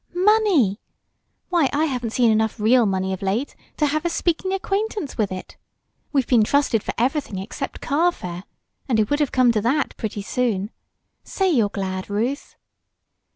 Money! Why, I haven't seen enough real money of late to have a speaking acquaintance with it. We've been trusted for everything, except carfare, and it would have come to that pretty soon. Say you're glad, Ruth!"